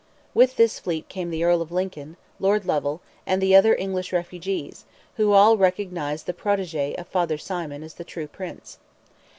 With this fleet came the Earl of Lincoln, Lord Lovell, and the other English refugees, who all recognized the protege of Father Symon as the true Prince.